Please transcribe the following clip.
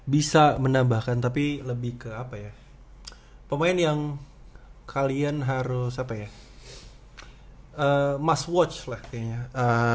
bisa menambahkan tapi lebih ke apa ya pemain yang kalian harus apa ya mass watch lah kayaknya